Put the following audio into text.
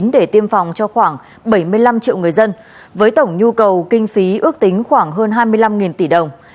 để tiêm phòng cho khoảng bảy mươi năm triệu người dân với tổng nhu cầu kinh phí ước tính khoảng hơn hai mươi năm tỷ đồng